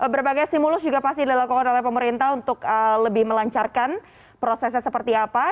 berbagai stimulus juga pasti dilakukan oleh pemerintah untuk lebih melancarkan prosesnya seperti apa